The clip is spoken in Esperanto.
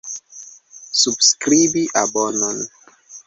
Subskribi abonon.